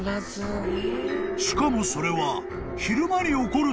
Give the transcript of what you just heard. ［しかもそれは］